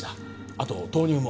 あと豆乳も。